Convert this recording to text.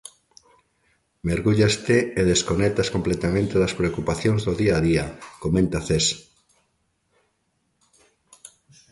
Mergúllaste e desconectas completamente das preocupacións do día a día, comenta Ces.